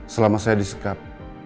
selama saya disekap